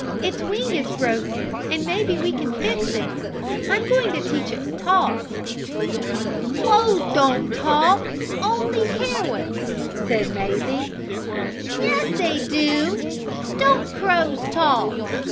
Its wing is broken but maybe we can fix it. I'm going to teach it to talk." "Crows don't talk only parrots," said Mazie. "Yes, they do don't crows talk?"